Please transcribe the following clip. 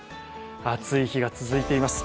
暑い日が続いています。